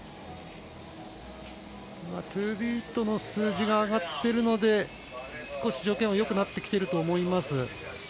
トゥービートの数字上がっているので少し条件はよくなってきていると思います。